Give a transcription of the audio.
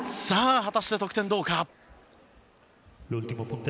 果たして得点どうか。